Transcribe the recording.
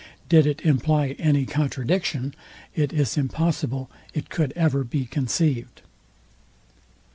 Did it imply any contradiction, it is impossible it could ever be conceived.